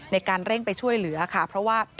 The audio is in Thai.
ในการเร่งไปช่วยเหลือค่ะเพราะว่า